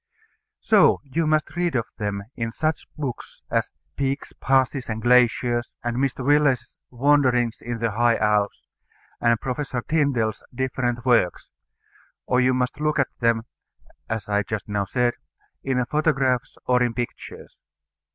So you must read of them in such books as Peaks, Passes, and Glaciers, and Mr. Willes's Wanderings in the High Alps, and Professor Tyndall's different works; or you must look at them (as I just now said) in photographs or in pictures.